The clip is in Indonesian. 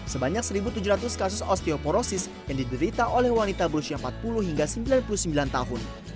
sebanyak satu tujuh ratus kasus osteoporosis yang diderita oleh wanita berusia empat puluh hingga sembilan puluh sembilan tahun